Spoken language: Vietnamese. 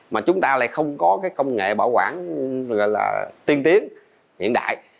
mà chúng ta lại không có cái công nghệ bảo quản tiên tiến hiện đại